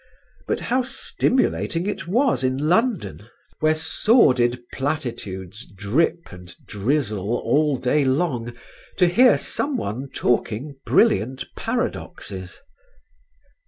But how stimulating it was in London, where sordid platitudes drip and drizzle all day long, to hear someone talking brilliant paradoxes.